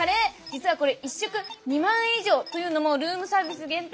実はこれ１食２万円以上！というのもルームサービス限定メニューだから！